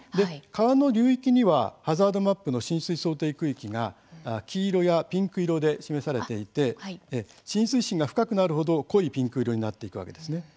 川の流域にはハザードマップの浸水想定区域が黄色やピンク色で示されていて浸水深が深くなるほど、濃いピンク色になっていくわけです。